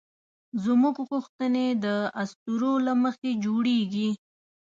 زموږ غوښتنې د اسطورو له مخې جوړېږي.